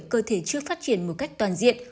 cơ thể chưa phát triển một cách toàn diện